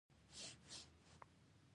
قانون باید مراعات شي